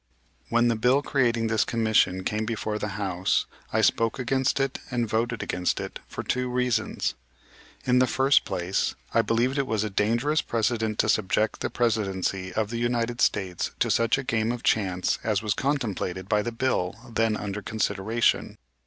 When the bill creating this commission came before the House I spoke against it, and voted against it, for two reasons. In the first place, I believed it was a dangerous precedent to subject the Presidency of the United States to such a game of chance as was contemplated by the bill then under consideration.